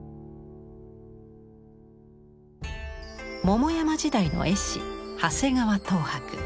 桃山時代の絵師長谷川等伯。